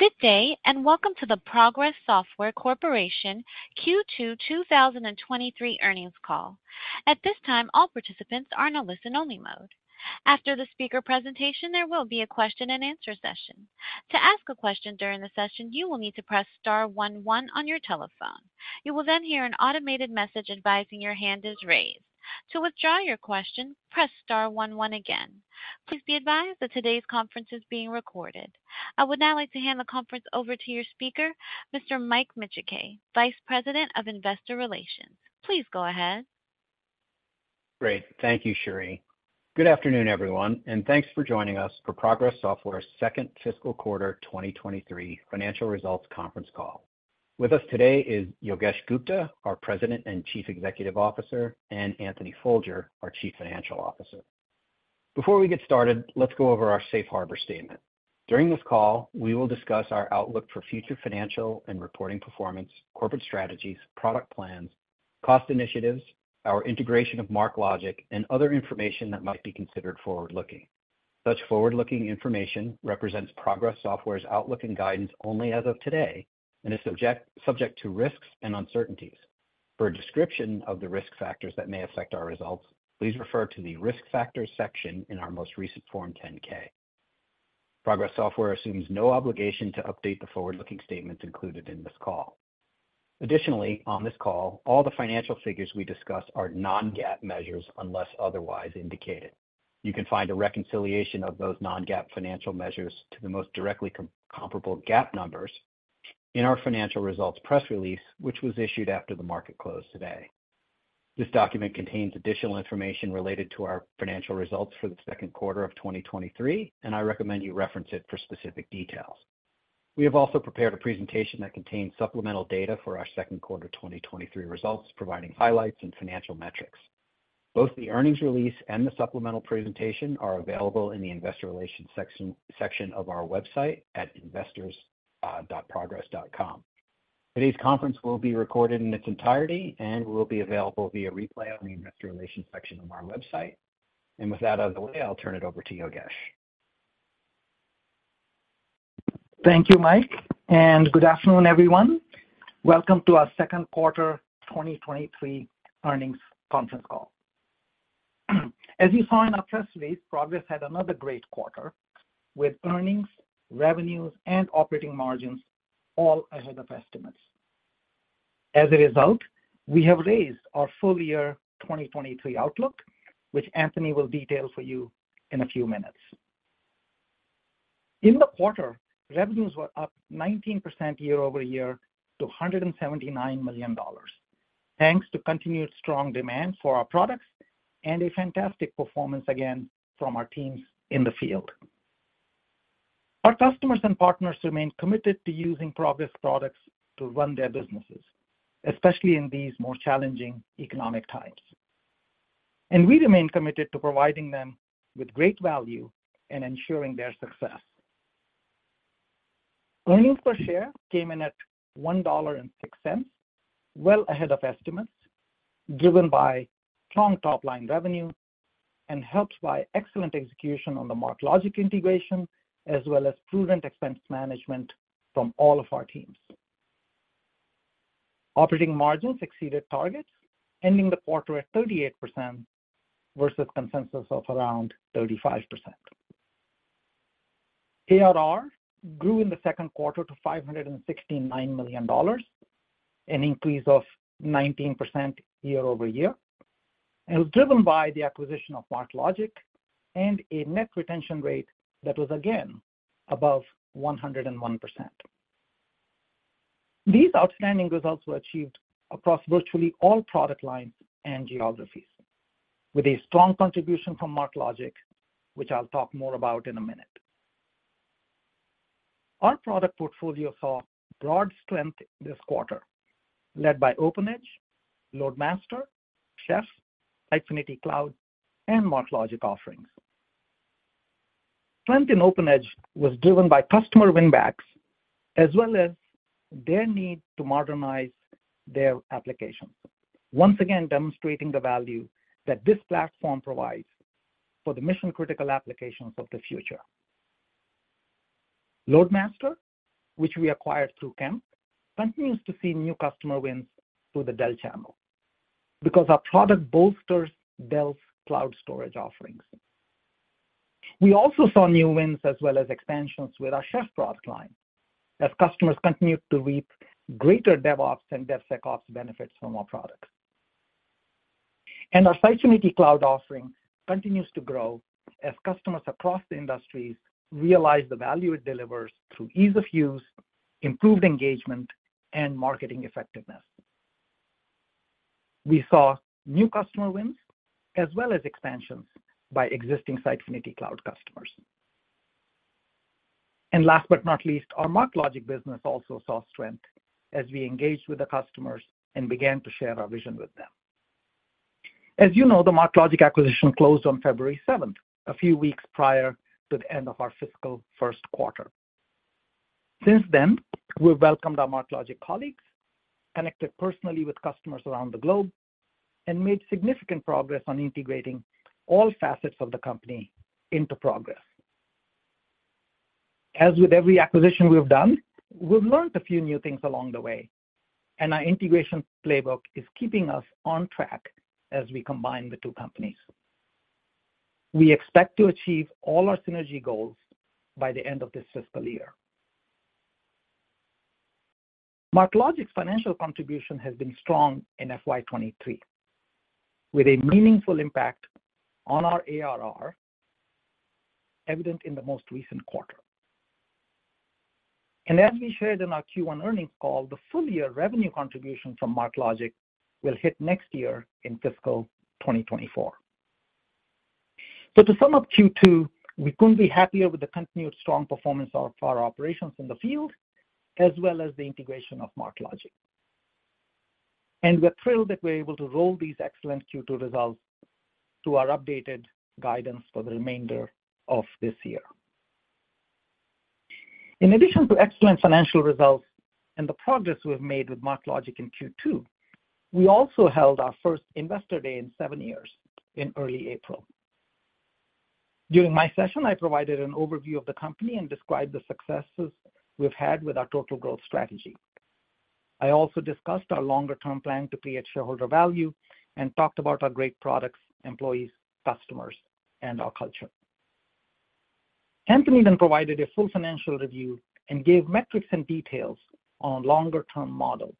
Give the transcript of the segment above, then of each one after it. Good day, and welcome to the Progress Software Corporation Q2 2023 earnings call. At this time, all participants are in a listen-only mode. After the speaker presentation, there will be a question-and-answer session. To ask a question during the session, you will need to press star one one on your telephone. You will then hear an automated message advising your hand is raised. To withdraw your question, press star one one again. Please be advised that today's conference is being recorded. I would now like to hand the conference over to your speaker, Mr. Mike Micciche, Vice President of Investor Relations. Please go ahead. Great. Thank you, Sherry. Good afternoon, everyone, and thanks for joining us for Progress Software's second fiscal quarter 2023 financial results conference call. With us today is Yogesh Gupta, our President and Chief Executive Officer, and Anthony Folger, our Chief Financial Officer. Before we get started, let's go over our safe harbor statement. During this call, we will discuss our outlook for future financial and reporting performance, corporate strategies, product plans, cost initiatives, our integration of MarkLogic, and other information that might be considered forward-looking. Such forward-looking information represents Progress Software's outlook and guidance only as of today and is subject to risks and uncertainties. For a description of the risk factors that may affect our results, please refer to the Risk Factors section in our most recent Form 10-K. Progress Software assumes no obligation to update the forward-looking statements included in this call. Additionally, on this call, all the financial figures we discuss are non-GAAP measures unless otherwise indicated. You can find a reconciliation of those non-GAAP financial measures to the most directly comparable GAAP numbers in our financial results press release, which was issued after the market closed today. I recommend you reference it for specific details. We have also prepared a presentation that contains supplemental data for our second quarter 2023 results, providing highlights and financial metrics. Both the earnings release and the supplemental presentation are available in the Investor Relations section of our website at investors.progress.com. Today's conference will be recorded in its entirety and will be available via replay on the Investor Relations section of our website. With that out of the way, I'll turn it over to Yogesh. Thank you, Mike. Good afternoon, everyone. Welcome to our second quarter 2023 earnings conference call. As you saw in our press release, Progress had another great quarter, with earnings, revenues, and operating margins all ahead of estimates. As a result, we have raised our full year 2023 outlook, which Anthony will detail for you in a few minutes. In the quarter, revenues were up 19% year-over-year to $179 million, thanks to continued strong demand for our products and a fantastic performance again from our teams in the field. Our customers and partners remain committed to using Progress products to run their businesses, especially in these more challenging economic times. We remain committed to providing them with great value and ensuring their success. Earnings per share came in at $1.06, well ahead of estimates, driven by strong top-line revenue and helped by excellent execution on the MarkLogic integration, as well as prudent expense management from all of our teams. Operating margins exceeded targets, ending the quarter at 38% versus consensus of around 35%. ARR grew in the second quarter to $569 million, an increase of 19% year-over-year. It was driven by the acquisition of MarkLogic and a net retention rate that was again above 101%. These outstanding results were achieved across virtually all product lines and geographies, with a strong contribution from MarkLogic, which I'll talk more about in a minute. Our product portfolio saw broad strength this quarter, led by OpenEdge, LoadMaster, Chef, Sitefinity Cloud, and MarkLogic offerings. Strength in OpenEdge was driven by customer win-backs as well as their need to modernize their applications, once again demonstrating the value that this platform provides for the mission-critical applications of the future. LoadMaster, which we acquired through Kemp, continues to see new customer wins through the Dell channel because our product bolsters Dell's cloud storage offerings. We also saw new wins as well as expansions with our Chef product line, as customers continued to reap greater DevOps and DevSecOps benefits from our products. Our Sitefinity Cloud offering continues to grow as customers across the industries realize the value it delivers through ease of use, improved engagement, and marketing effectiveness. We saw new customer wins as well as expansions by existing Sitefinity Cloud customers. Last but not least, our MarkLogic business also saw strength as we engaged with the customers and began to share our vision with them. As you know, the MarkLogic acquisition closed on February seventh, a few weeks prior to the end of our fiscal first quarter. Since then, we've welcomed our MarkLogic colleagues, connected personally with customers around the globe and made significant progress on integrating all facets of the company into Progress. As with every acquisition we have done, we've learned a few new things along the way, our integration playbook is keeping us on track as we combine the two companies. We expect to achieve all our synergy goals by the end of this fiscal year. MarkLogic's financial contribution has been strong in FY 2023, with a meaningful impact on our ARR, evident in the most recent quarter. As we shared in our Q1 earnings call, the full year revenue contribution from MarkLogic will hit next year in fiscal 2024. To sum up Q2, we couldn't be happier with the continued strong performance of our operations in the field, as well as the integration of MarkLogic. We're thrilled that we're able to roll these excellent Q2 results to our updated guidance for the remainder of this year. In addition to excellent financial results and the progress we've made with MarkLogic in Q2, we also held our first Investor Day in 7 years in early April. During my session, I provided an overview of the company and described the successes we've had with our total growth strategy. I also discussed our longer-term plan to create shareholder value and talked about our great products, employees, customers, and our culture. Anthony provided a full financial review and gave metrics and details on longer-term model,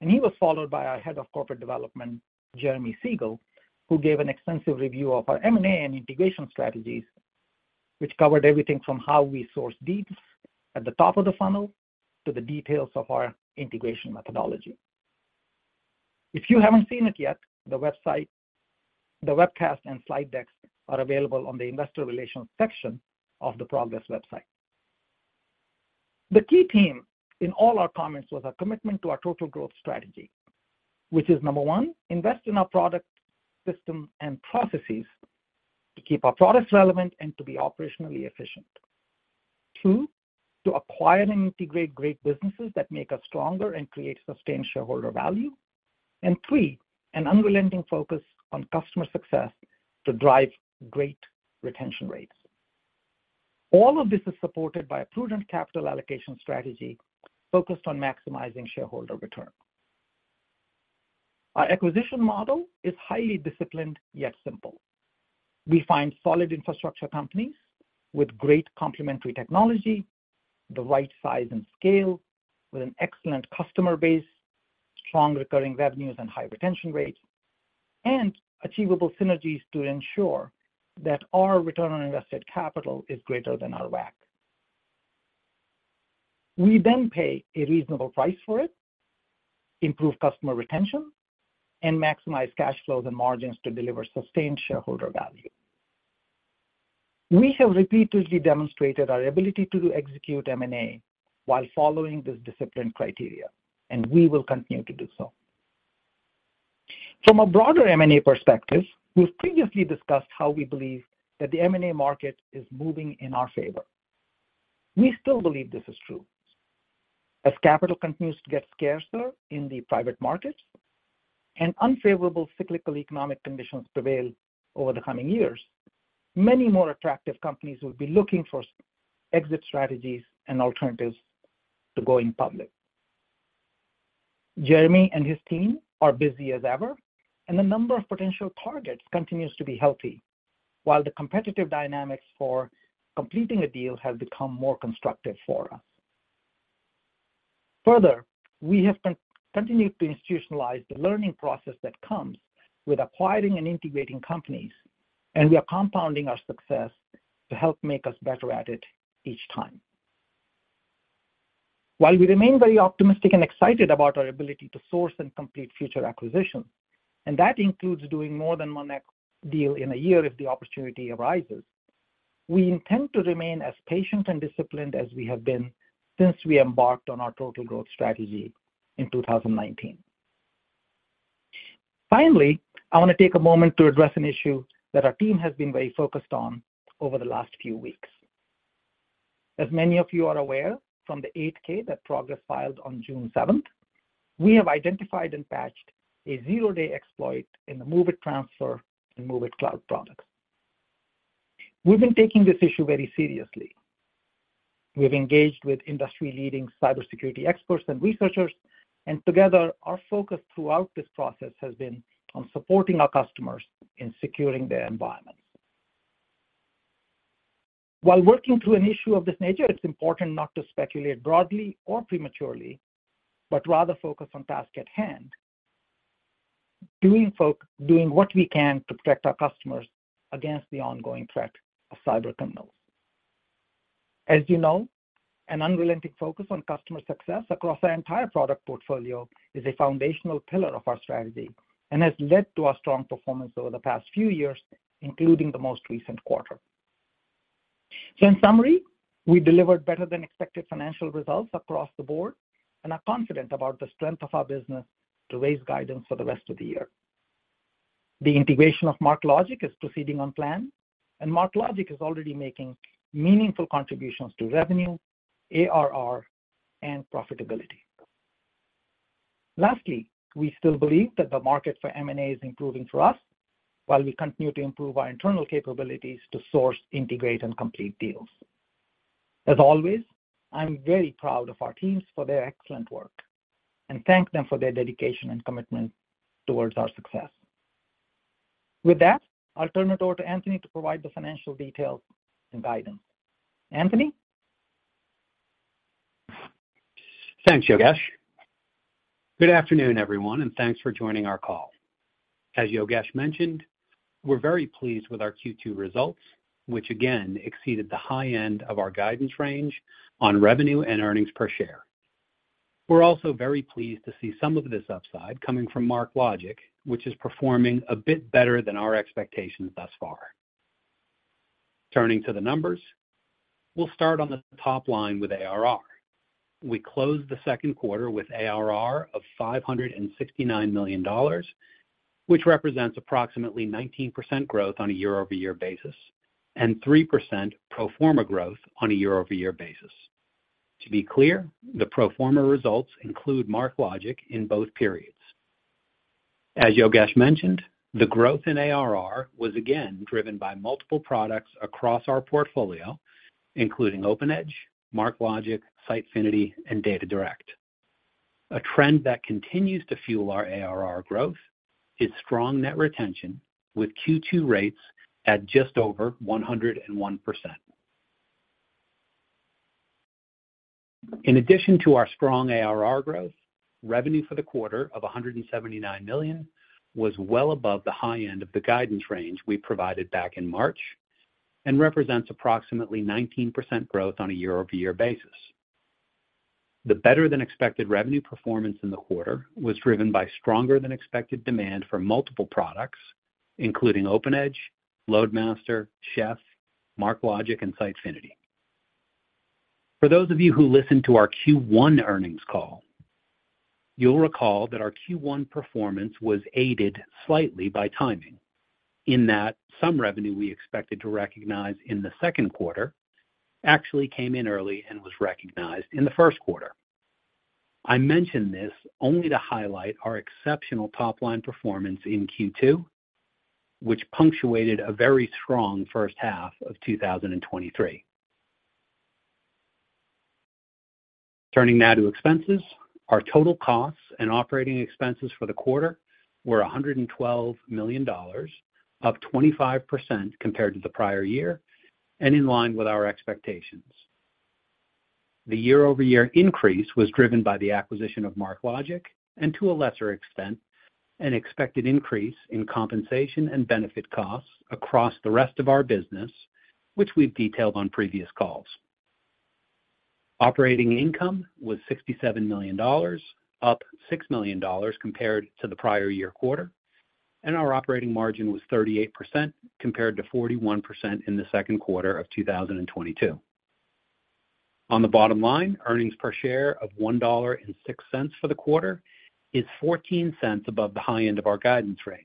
he was followed by our Head of Corporate Development, Jeremy Segal, who gave an extensive review of our M&A and integration strategies, which covered everything from how we source deals at the top of the funnel to the details of our integration methodology. If you haven't seen it yet, the website, the webcast and slide decks are available on the investor relations section of the Progress website. The key theme in all our comments was our commitment to our total growth strategy, which is, number 1, invest in our product, system, and processes to keep our products relevant and to be operationally efficient. 2, to acquire and integrate great businesses that make us stronger and create sustained shareholder value. 3, an unrelenting focus on customer success to drive great retention rates. All of this is supported by a prudent capital allocation strategy focused on maximizing shareholder return. Our acquisition model is highly disciplined, yet simple. We find solid infrastructure companies with great complementary technology, the right size and scale, with an excellent customer base, strong recurring revenues and high retention rates, and achievable synergies to ensure that our return on invested capital is greater than our WACC. We pay a reasonable price for it, improve customer retention, and maximize cash flows and margins to deliver sustained shareholder value. We have repeatedly demonstrated our ability to execute M&A while following this disciplined criteria, and we will continue to do so. From a broader M&A perspective, we've previously discussed how we believe that the M&A market is moving in our favor. We still believe this is true. As capital continues to get scarcer in the private markets and unfavorable cyclical economic conditions prevail over the coming years, many more attractive companies will be looking for exit strategies and alternatives to going public. Jeremy and his team are busy as ever, and the number of potential targets continues to be healthy, while the competitive dynamics for completing a deal have become more constructive for us. Further, we have continued to institutionalize the learning process that comes with acquiring and integrating companies, and we are compounding our success to help make us better at it each time. While we remain very optimistic and excited about our ability to source and complete future acquisitions, and that includes doing more than one deal in a year if the opportunity arises, we intend to remain as patient and disciplined as we have been since we embarked on our total growth strategy in 2019. Finally, I want to take a moment to address an issue that our team has been very focused on over the last few weeks. As many of you are aware from the 8-K that Progress filed on June 7th, we have identified and patched a zero-day exploit in the MOVEit Transfer and MOVEit Cloud product. We've been taking this issue very seriously. Together, our focus throughout this process has been on supporting our customers in securing their environments. While working through an issue of this nature, it's important not to speculate broadly or prematurely, but rather focus on task at hand, doing what we can to protect our customers against the ongoing threat of cybercriminals. As you know, an unrelenting focus on customer success across our entire product portfolio is a foundational pillar of our strategy and has led to our strong performance over the past few years, including the most recent quarter. In summary, we delivered better-than-expected financial results across the board and are confident about the strength of our business to raise guidance for the rest of the year. The integration of MarkLogic is proceeding on plan, and MarkLogic is already making meaningful contributions to revenue, ARR, and profitability. Lastly, we still believe that the market for M&A is improving for us, while we continue to improve our internal capabilities to source, integrate, and complete deals. As always, I'm very proud of our teams for their excellent work, and thank them for their dedication and commitment towards our success. With that, I'll turn it over to Anthony to provide the financial details and guidance. Anthony? Thanks, Yogesh. Good afternoon, everyone, and thanks for joining our call. As Yogesh mentioned, we're very pleased with our Q2 results, which again exceeded the high end of our guidance range on revenue and earnings per share. We're also very pleased to see some of this upside coming from MarkLogic, which is performing a bit better than our expectations thus far. Turning to the numbers, we'll start on the top line with ARR. We closed the second quarter with ARR of $569 million, which represents approximately 19% growth on a year-over-year basis, and 3% pro forma growth on a year-over-year basis. To be clear, the pro forma results include MarkLogic in both periods. As Yogesh mentioned, the growth in ARR was again driven by multiple products across our portfolio, including OpenEdge, MarkLogic, Sitefinity, and DataDirect. A trend that continues to fuel our ARR growth is strong net retention, with Q2 rates at just over 101%. In addition to our strong ARR growth, revenue for the quarter of $179 million was well above the high end of the guidance range we provided back in March and represents approximately 19% growth on a year-over-year basis. The better-than-expected revenue performance in the quarter was driven by stronger-than-expected demand for multiple products, including OpenEdge, LoadMaster, Chef, MarkLogic, and Sitefinity. For those of you who listened to our Q1 earnings call, you'll recall that our Q1 performance was aided slightly by timing, in that some revenue we expected to recognize in the second quarter actually came in early and was recognized in the first quarter. I mention this only to highlight our exceptional top-line performance in Q2, which punctuated a very strong first half of 2023. Turning now to expenses, our total costs and operating expenses for the quarter were $112 million, up 25% compared to the prior year and in line with our expectations. The year-over-year increase was driven by the acquisition of MarkLogic and, to a lesser extent, an expected increase in compensation and benefit costs across the rest of our business, which we've detailed on previous calls. Operating income was $67 million, up $6 million compared to the prior year quarter, and our operating margin was 38%, compared to 41% in the second quarter of 2022. On the bottom line, earnings per share of $1.06 for the quarter is $0.14 above the high end of our guidance range.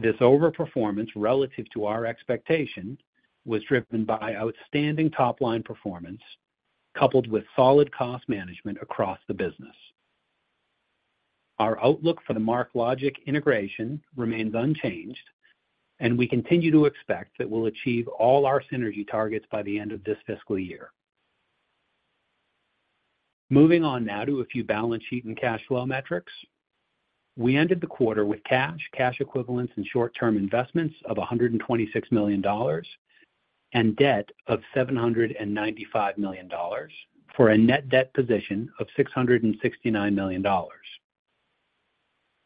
This overperformance relative to our expectation was driven by outstanding top-line performance, coupled with solid cost management across the business. Our outlook for the MarkLogic integration remains unchanged. We continue to expect that we'll achieve all our synergy targets by the end of this fiscal year. Moving on now to a few balance sheet and cash flow metrics. We ended the quarter with cash equivalents, and short-term investments of $126 million, and debt of $795 million, for a net debt position of $669 million.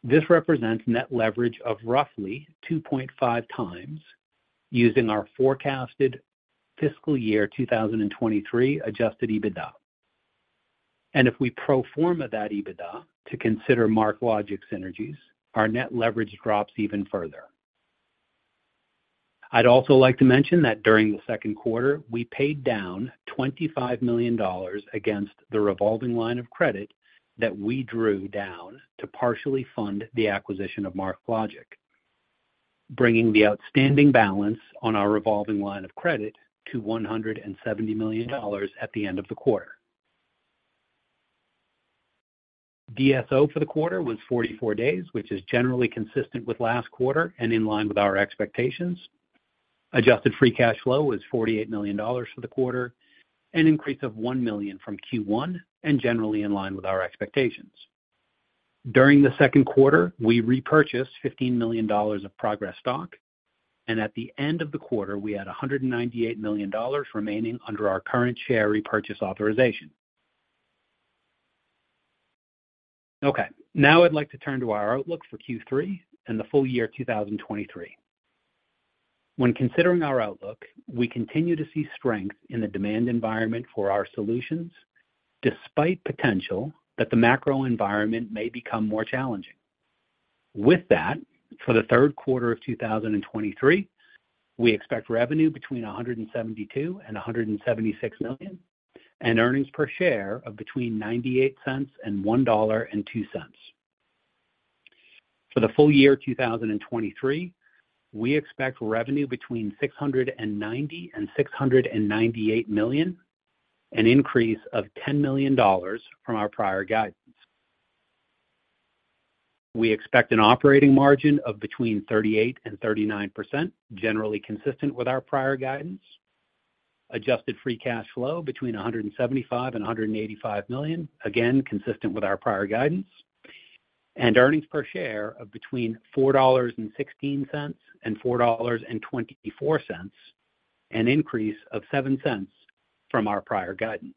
This represents net leverage of roughly 2.5x using our forecasted fiscal year 2023 adjusted EBITDA. If we pro forma that EBITDA to consider MarkLogic synergies, our net leverage drops even further. I'd also like to mention that during the second quarter, we paid down $25 million against the revolving line of credit that we drew down to partially fund the acquisition of MarkLogic, bringing the outstanding balance on our revolving line of credit to $170 million at the end of the quarter. DSO for the quarter was 44 days, which is generally consistent with last quarter and in line with our expectations. Adjusted free cash flow was $48 million for the quarter, an increase of $1 million from Q1 and generally in line with our expectations. During the second quarter, we repurchased $15 million of Progress stock, and at the end of the quarter, we had $198 million remaining under our current share repurchase authorization. Okay, now I'd like to turn to our outlook for Q3 and the full year 2023. When considering our outlook, we continue to see strength in the demand environment for our solutions, despite potential that the macro environment may become more challenging. With that, for the third quarter of 2023, we expect revenue between $172 million and $176 million, and earnings per share of between $0.98 and $1.02. For the full year 2023, we expect revenue between $690 million and $698 million, an increase of $10 million from our prior guidance. We expect an operating margin of between 38% and 39%, generally consistent with our prior guidance. Adjusted free cash flow between $175 million and $185 million, again, consistent with our prior guidance, and earnings per share of between $4.16 and $4.24, an increase of $0.07 from our prior guidance.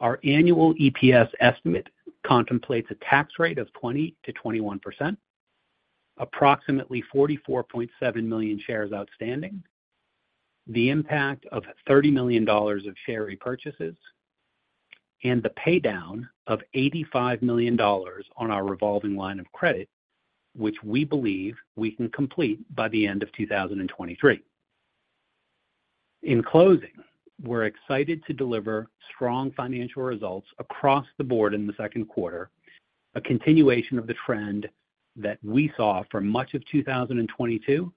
Our annual EPS estimate contemplates a tax rate of 20%-21%, approximately 44.7 million shares outstanding, the impact of $30 million of share repurchases, and the paydown of $85 million on our revolving line of credit, which we believe we can complete by the end of 2023. In closing, we're excited to deliver strong financial results across the board in the second quarter, a continuation of the trend that we saw for much of 2022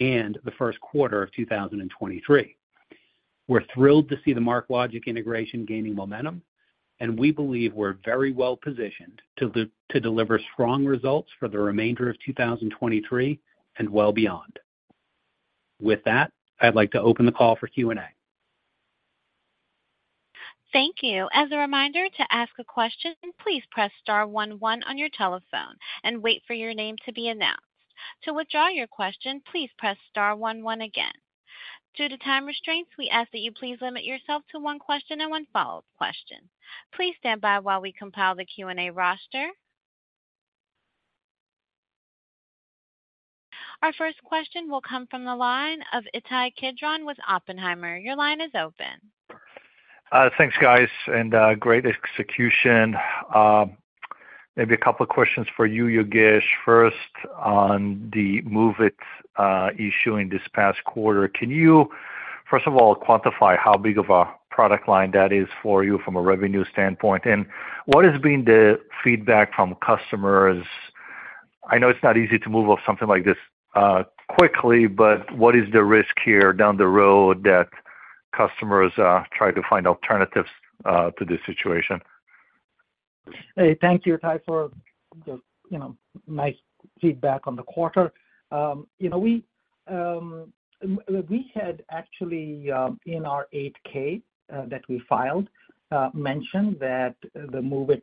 and the first quarter of 2023. We're thrilled to see the MarkLogic integration gaining momentum, and we believe we're very well positioned to deliver strong results for the remainder of 2023, and well beyond. With that, I'd like to open the call for Q&A. Thank you. As a reminder to ask a question, please press star one on your telephone and wait for your name to be announced. To withdraw your question, please press star one again. Due to time restraints, we ask that you please limit yourself to one question and one follow-up question. Please stand by while we compile the Q&A roster. Our first question will come from the line of Ittai Kidron with Oppenheimer. Your line is open. Thanks, guys, great execution. Maybe a couple of questions for you, Yogesh. First, on the MOVEit issue in this past quarter, can you, first of all, quantify how big of a product line that is for you from a revenue standpoint? What has been the feedback from customers? I know it's not easy to move off something like this quickly, but what is the risk here down the road that customers try to find alternatives to this situation? Hey, thank you, Ittai, for the, you know, nice feedback on the quarter. you know, we had actually in our 8-K that we filed mentioned that the MOVEit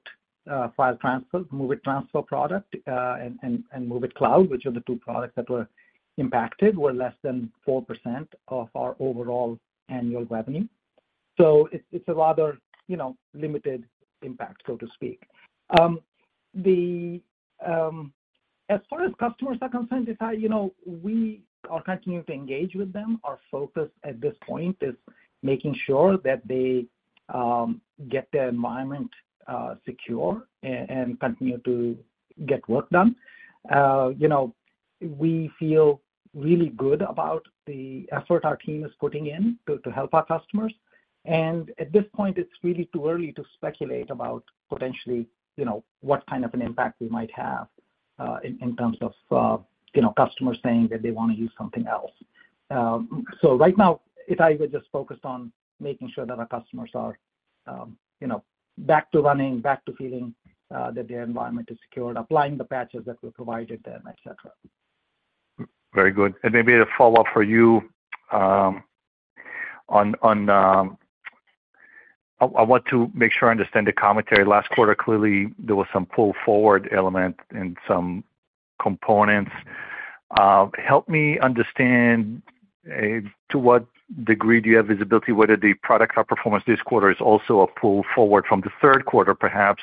file transfer, MOVEit Transfer product, and MOVEit Cloud, which are the two products that were impacted, were less than 4% of our overall annual revenue. It's, it's a rather, you know, limited impact, so to speak. As far as customers are concerned, Ittai, you know, we are continuing to engage with them. Our focus at this point is making sure that they get their environment secure and continue to get work done. you know, we feel really good about the effort our team is putting in to help our customers. At this point, it's really too early to speculate about potentially, you know, what kind of an impact we might have, in terms of, you know, customers saying that they wanna use something else. Right now, Ittai, we're just focused on making sure that our customers are, you know, back to running, back to feeling, that their environment is secured, applying the patches that we provided them, et cetera. Very good. Maybe a follow-up for you, on, I want to make sure I understand the commentary. Last quarter, clearly, there was some pull-forward element and some components. Help me understand, to what degree do you have visibility, whether the product outperformance this quarter is also a pull forward from the third quarter, perhaps,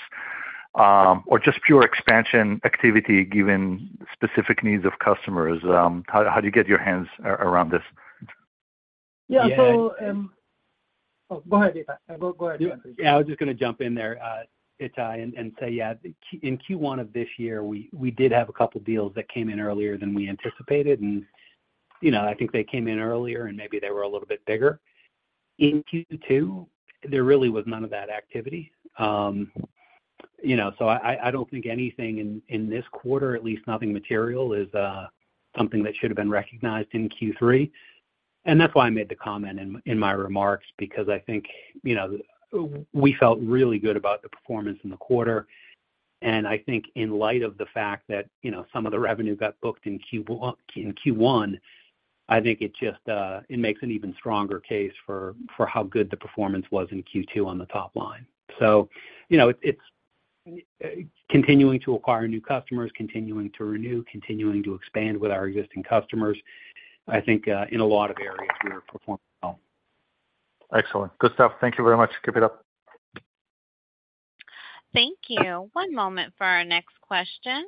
or just pure expansion activity given specific needs of customers? How do you get your hands around this? Yeah. Yeah. Oh, go ahead, Ittai. Go ahead. Yeah, I was just gonna jump in there, Ittai, and say, yeah, in Q1 of this year, we did have a couple deals that came in earlier than we anticipated, and, you know, I think they came in earlier, and maybe they were a little bit bigger. In Q2, there really was none of that activity. you know, so I don't think anything in this quarter, at least nothing material, is, something that should have been recognized in Q3. That's why I made the comment in my remarks because I think, you know, we felt really good about the performance in the quarter. I think in light of the fact that, you know, some of the revenue got booked in Q1, I think it just, it makes an even stronger case for how good the performance was in Q2 on the top line. You know, it's continuing to acquire new customers, continuing to renew, continuing to expand with our existing customers. I think, in a lot of areas, we're performing well. Excellent. Good stuff. Thank you very much. Keep it up. Thank you. One moment for our next question.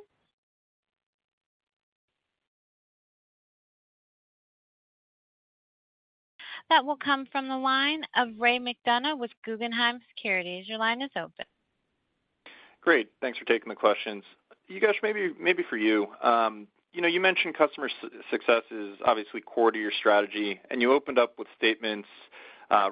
That will come from the line of Ray McDonough with Guggenheim Securities. Your line is open. Great. Thanks for taking the questions. Utpal, maybe for you. You know, you mentioned customer success is obviously core to your strategy, and you opened up with statements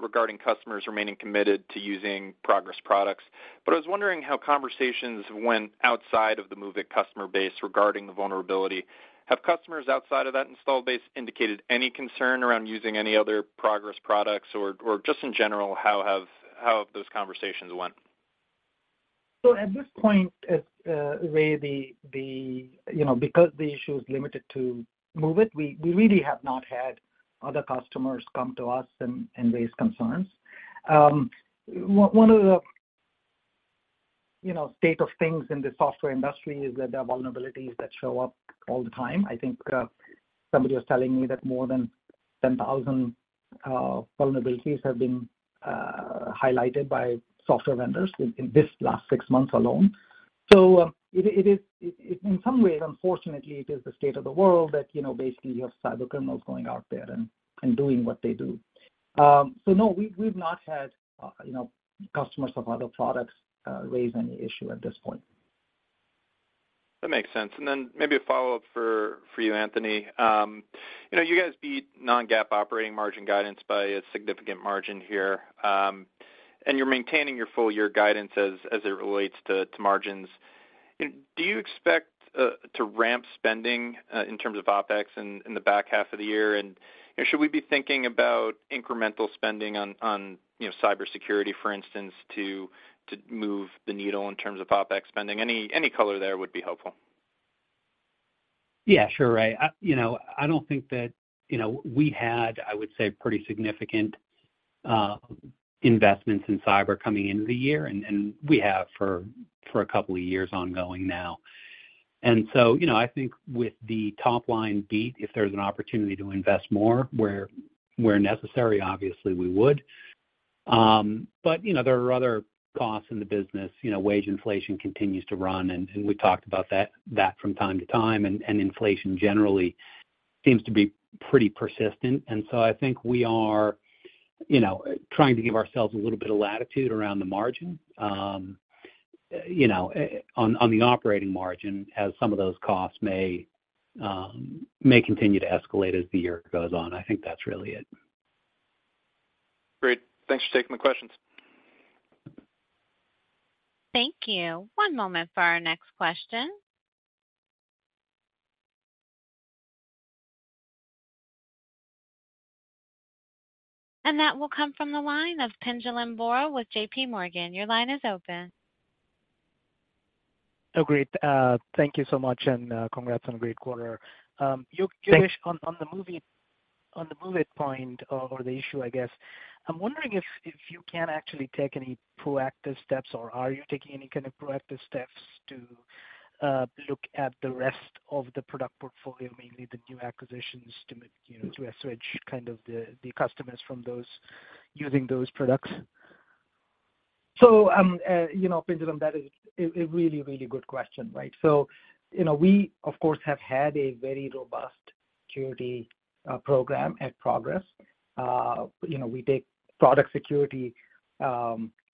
regarding customers remaining committed to using Progress products. I was wondering how conversations went outside of the MOVEit customer base regarding the vulnerability. Have customers outside of that install base indicated any concern around using any other Progress products? Or just in general, how have those conversations went? At this point, Ray, you know, because the issue is limited to MOVEit, we really have not had other customers come to us and raise concerns. One of the, you know, state of things in the software industry is that there are vulnerabilities that show up all the time. I think somebody was telling me that more than 10,000 vulnerabilities have been highlighted by software vendors in this last 6 months alone. It is in some ways, unfortunately, it is the state of the world that, you know, basically you have cybercriminals going out there and doing what they do. No, we've not had, you know, customers of other products, raise any issue at this point. That makes sense. Then maybe a follow-up for you, Anthony. You know, you guys beat non-GAAP operating margin guidance by a significant margin here, and you're maintaining your full year guidance as it relates to margins. Do you expect to ramp spending in terms of OpEx in the back half of the year? Should we be thinking about incremental spending on, you know, cybersecurity, for instance, to move the needle in terms of OpEx spending? Any color there would be helpful. Yeah, sure, Ray. You know, I don't think that. You know, we had, I would say, pretty significant investments in cyber coming into the year, and we have for a couple of years ongoing now. You know, I think with the top line beat, if there's an opportunity to invest more where necessary, obviously we would. But you know, there are other costs in the business. You know, wage inflation continues to run, and we talked about that from time to time, and inflation generally seems to be pretty persistent. I think we are, you know, trying to give ourselves a little bit of latitude around the margin, you know, on the operating margin, as some of those costs may continue to escalate as the year goes on.I think that's really it. Great. Thanks for taking the questions. Thank you. One moment for our next question. That will come from the line of Pinjalim Bora with J.P. Morgan. Your line is open. Oh, great. Thank you so much, and congrats on a great quarter. Thanks. Utpal, on the MOVEit point or the issue, I guess. I'm wondering if you can actually take any proactive steps, or are you taking any kind of proactive steps to look at the rest of the product portfolio, mainly the new acquisitions, to, you know, to switch kind of the customers from those using those products? You know, Pinjalim Bora, that is a really, really good question, right? You know, we of course, have had a very robust security program at Progress. You know, we take product security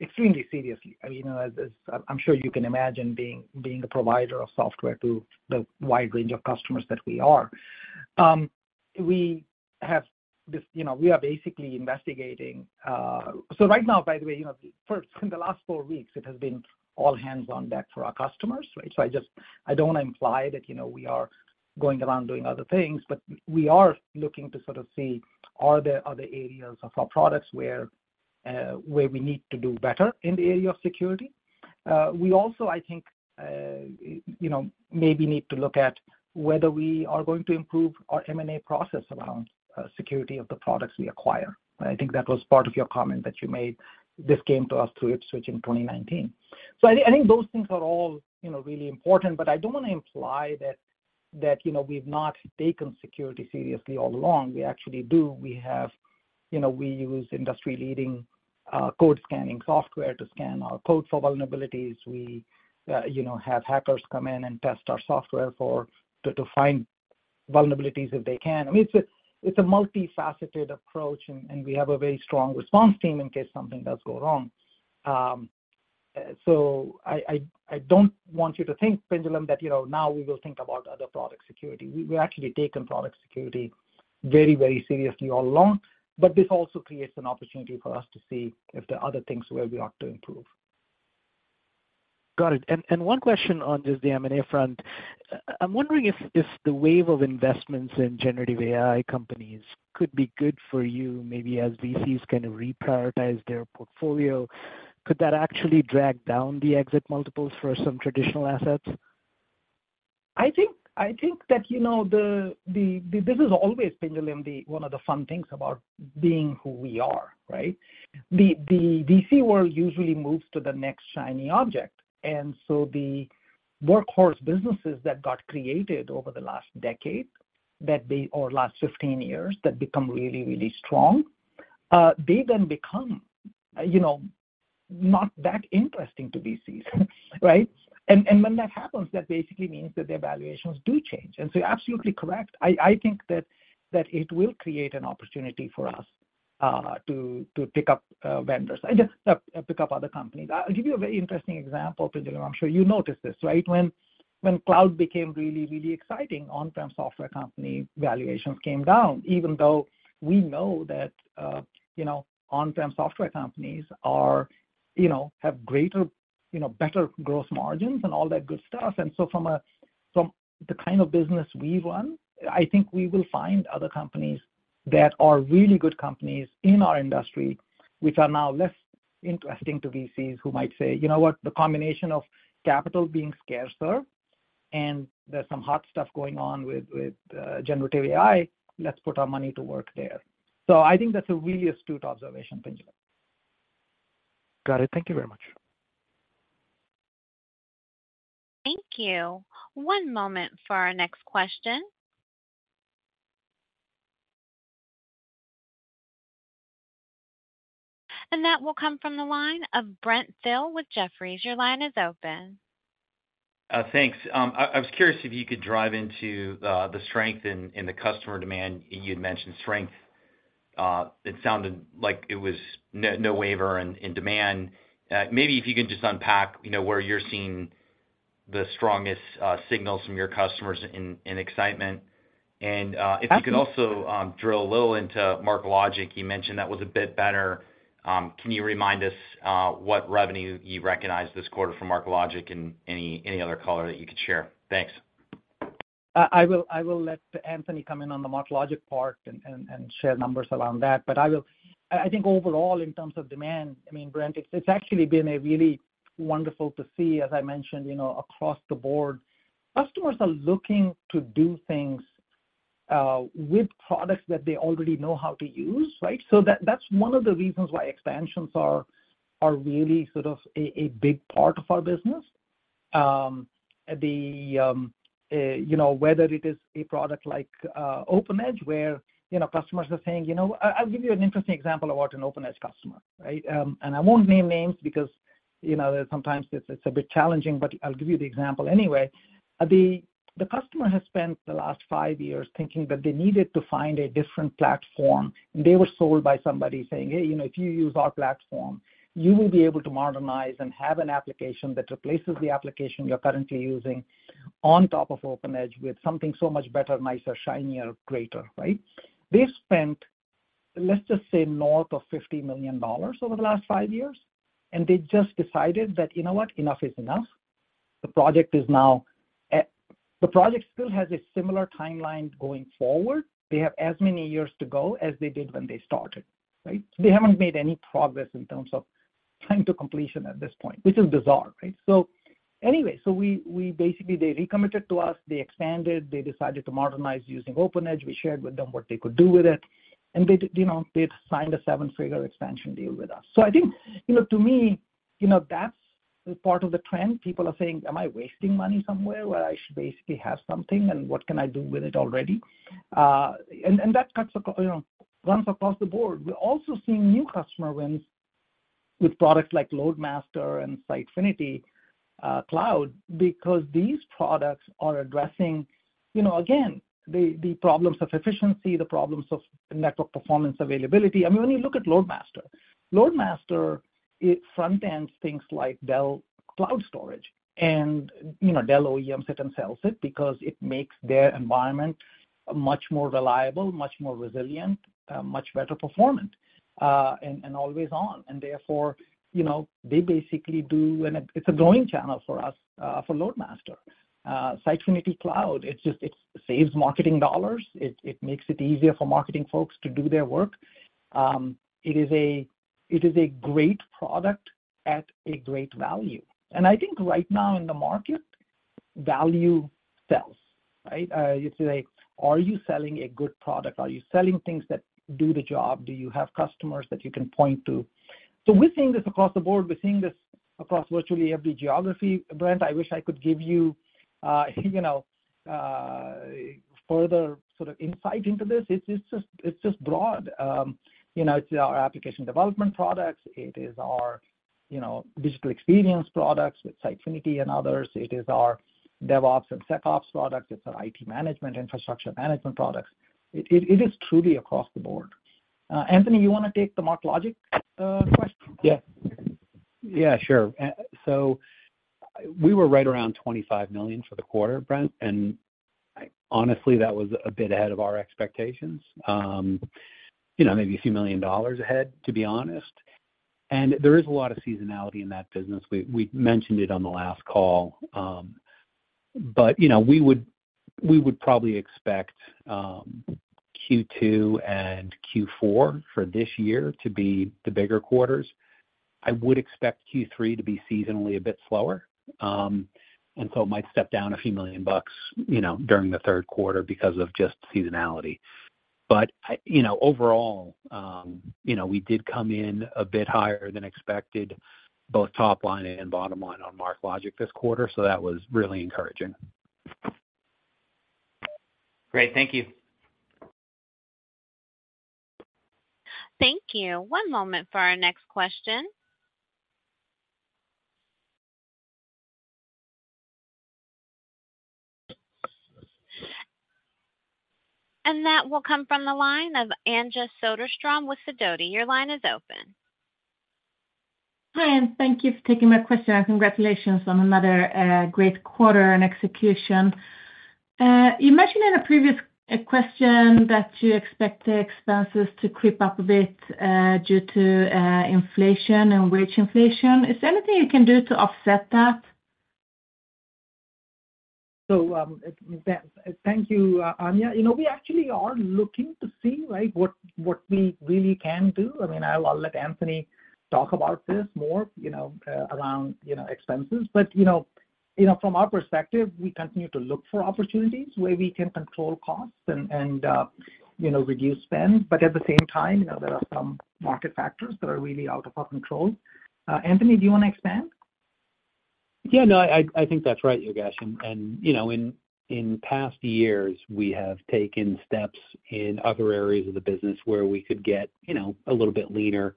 extremely seriously. I mean, as I'm sure you can imagine, being a provider of software to the wide range of customers that we are. We have this, you know, we are basically investigating. Right now, by the way, you know, first, in the last four weeks, it has been all hands on deck for our customers, right? I just, I don't want to imply that, you know, we are going around doing other things, but we are looking to sort of see, are there other areas of our products where we need to do better in the area of security? We also, I think, you know, maybe need to look at whether we are going to improve our M&A process around security of the products we acquire. I think that was part of your comment that you made. This came to us through Ipswitch in 2019. I think those things are all, you know, really important, but I don't want to imply that, you know, we've not taken security seriously all along. We actually do. We have you know, we use industry-leading code scanning software to scan our code for vulnerabilities. We, you know, have hackers come in and test our software for to find vulnerabilities if they can. I mean, it's a multifaceted approach, and we have a very strong response team in case something does go wrong. I don't want you to think, Pinjalim, that, you know, now we will think about other product security. We've actually taken product security very, very seriously all along, but this also creates an opportunity for us to see if there are other things where we ought to improve. Got it. One question on just the M&A front. I'm wondering if the wave of investments in generative AI companies could be good for you, maybe as VCs kind of reprioritize their portfolio, could that actually drag down the exit multiples for some traditional assets? I think that, you know, the, this is always, Pinjalim, one of the fun things about being who we are, right? The VC world usually moves to the next shiny object, and so the workhorse businesses that got created over the last decade, or last 15 years, that become really strong, they then become, you know, not that interesting to VCs, right? And when that happens, that basically means that the evaluations do change. You're absolutely correct. I think that it will create an opportunity for us to pick up vendors and just pick up other companies. I'll give you a very interesting example, Pinjalim. I'm sure you noticed this, right? When cloud became really, really exciting, on-prem software company valuations came down, even though we know that, you know, on-prem software companies are, you know, have greater, you know, better gross margins and all that good stuff. From the kind of business we run, I think we will find other companies that are really good companies in our industry, which are now less interesting to VCs who might say, "You know what? The combination of capital being scarcer and there's some hot stuff going on with generative AI, let's put our money to work there." I think that's a really astute observation, Pinjalim. Got it. Thank you very much. Thank you. One moment for our next question. That will come from the line of Brent Thill with Jefferies. Your line is open. Thanks. I was curious if you could drive into the strength in the customer demand. You had mentioned strength, it sounded like it was no waiver in demand. Maybe if you could just unpack, you know, where you're seeing the strongest signals from your customers in excitement? Absolutely. If you could also, drill a little into MarkLogic. You mentioned that was a bit better. Can you remind us, what revenue you recognized this quarter from MarkLogic and any other color that you could share? Thanks. I will let Anthony come in on the MarkLogic part and share numbers around that. I think overall, in terms of demand, I mean, Brent, it's actually been a really wonderful to see, as I mentioned, you know, across the board, customers are looking to do things with products that they already know how to use, right? That's one of the reasons why expansions are really sort of a big part of our business. The, you know, whether it is a product like OpenEdge, where, you know, customers are saying, you know. I'll give you an interesting example about an OpenEdge customer, right? I won't name names because, you know, sometimes it's a bit challenging, but I'll give you the example anyway. The customer has spent the last 5 years thinking that they needed to find a different platform. They were sold by somebody saying, "Hey, you know, if you use our platform, you will be able to modernize and have an application that replaces the application you're currently using on top of OpenEdge with something so much better, nicer, shinier, greater," right? They've spent, let's just say, north of $50 million over the last 5 years. They just decided that, you know what? Enough is enough. The project still has a similar timeline going forward. They have as many years to go as they did when they started, right? They haven't made any progress in terms of time to completion at this point, which is bizarre, right? Anyway, we basically, they recommitted to us, they expanded, they decided to modernize using OpenEdge. We shared with them what they could do with it, and they, you know, they signed a seven-figure expansion deal with us. I think, you know, to me, you know, that's part of the trend. People are saying, "Am I wasting money somewhere, where I should basically have something, and what can I do with it already?" That cuts across, you know, runs across the board. We're also seeing new customer wins with products like LoadMaster and Sitefinity, Cloud, because these products are addressing, you know, again, the problems of efficiency, the problems of network performance availability. I mean, when you look at LoadMaster, it front-ends things like Dell EMC ECS, and, you know, Dell OEMs it and sells it because it makes their environment much more reliable, much more resilient, much better performant, and always on. Therefore, you know, they basically do. It's a growing channel for us for LoadMaster. Sitefinity Cloud, it's just, it saves marketing dollars. It makes it easier for marketing folks to do their work. It is a great product at a great value. I think right now in the market, value sells, right? It's like, are you selling a good product? Are you selling things that do the job? Do you have customers that you can point to? We're seeing this across the board. We're seeing this across virtually every geography, Brent. I wish I could give you know, further sort of insight into this. It's just broad. You know, it's our application development products, it is our, you know, digital experience products with Sitefinity and others. It is our DevOps and SecOps products. It's our IT management, infrastructure management products. It is truly across the board. Anthony, you want to take the MarkLogic, question? Yeah. Yeah, sure. We were right around $25 million for the quarter, Brent, and honestly, that was a bit ahead of our expectations. You know, maybe a few million dollars ahead, to be honest. There is a lot of seasonality in that business. We mentioned it on the last call. You know, we would probably expect Q2 and Q4 for this year to be the bigger quarters. I would expect Q3 to be seasonally a bit slower, and so it might step down a few million bucks, you know, during the third quarter because of just seasonality. I, you know, overall, you know, we did come in a bit higher than expected, both top line and bottom line on MarkLogic this quarter, so that was really encouraging. Great. Thank you. Thank you. One moment for our next question. That will come from the line of Anja Soderstrom with Sidoti. Your line is open. Hi, thank you for taking my question, and congratulations on another great quarter and execution. You mentioned in a previous question that you expect the expenses to creep up a bit, due to inflation and wage inflation. Is there anything you can do to offset that? Thank you, Anja. You know, we actually are looking to see, right, what we really can do. I mean, I'll let Anthony talk about this more, you know, around, you know, expenses. You know, you know, from our perspective, we continue to look for opportunities where we can control costs and, you know, reduce spend. At the same time, you know, there are some market factors that are really out of our control. Anthony, do you wanna expand? Yeah, no, I think that's right, Yogesh. In, in past years, we have taken steps in other areas of the business where we could get, you know, a little bit leaner.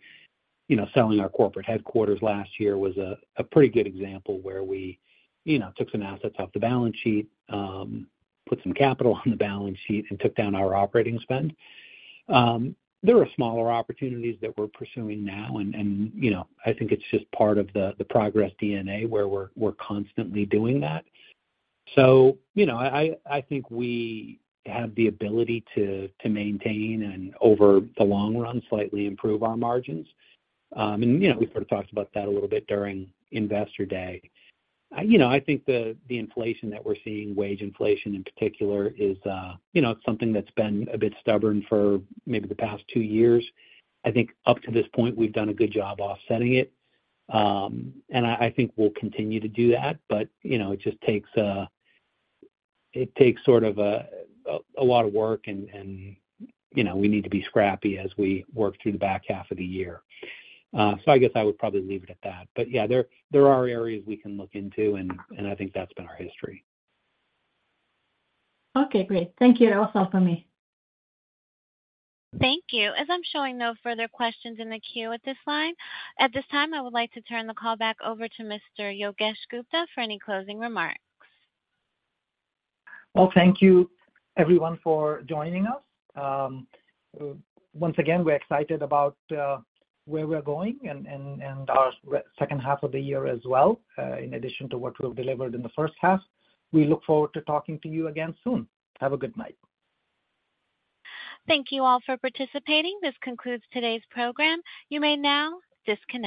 You know, selling our corporate headquarters last year was a pretty good example where we, you know, took some assets off the balance sheet, put some capital on the balance sheet, and took down our operating spend. There are smaller opportunities that we're pursuing now, and, you know, I think it's just part of the Progress DNA, where we're constantly doing that. You know, I think we have the ability to maintain and over the long run, slightly improve our margins. You know, we sort of talked about that a little bit during Investor Day. You know, I think the inflation that we're seeing, wage inflation in particular, is, you know, something that's been a bit stubborn for maybe the past two years. I think up to this point, we've done a good job offsetting it. I think we'll continue to do that, but, you know, it just takes sort of a lot of work and, you know, we need to be scrappy as we work through the back half of the year. I guess I would probably leave it at that. Yeah, there are areas we can look into, and I think that's been our history. Okay, great. Thank you. That was all for me. Thank you. As I'm showing no further questions in the queue at this time, I would like to turn the call back over to Mr. Yogesh Gupta for any closing remarks. Well, thank you, everyone, for joining us. Once again, we're excited about where we're going and our second half of the year as well, in addition to what we've delivered in the first half. We look forward to talking to you again soon. Have a good night. Thank you all for participating. This concludes today's program. You may now disconnect.